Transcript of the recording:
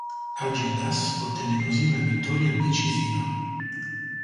Algirdas ottenne così una vittoria decisiva.